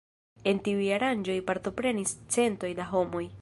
En tiuj aranĝoj partoprenis centoj da homoj.